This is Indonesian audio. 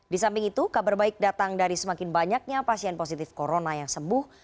di samping itu kabar baik datang dari semakin banyaknya pasien positif corona yang sembuh